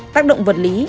tác động vật lý